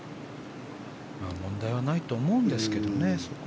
問題はないと思うんですけどね。